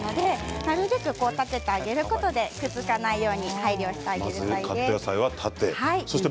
なるべく立ててあげることで傷つかないように配慮していただければと思います。